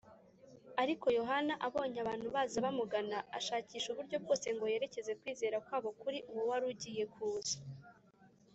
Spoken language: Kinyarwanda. Ariko Yohana abonye abantu baza bamugana, ashakisha uburyo bwose ngo yerekeze kwizera kwabo kuri uwo wari ugiye kuza.